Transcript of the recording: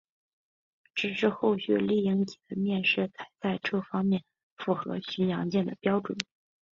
直至后续丽蝇级的面世才在这方面符合巡洋舰的标准。